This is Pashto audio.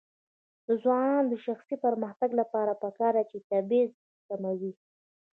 د ځوانانو د شخصي پرمختګ لپاره پکار ده چې تبعیض کموي.